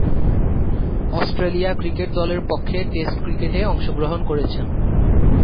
Australia cricket দলের পক্ষে test ক্রিকেটে অংশগ্রহণ করেছেন।